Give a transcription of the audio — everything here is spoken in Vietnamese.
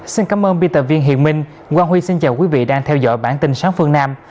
xin cảm ơn biên tập viên hiền minh quang huy xin chào quý vị đang theo dõi bản tin sáng phương nam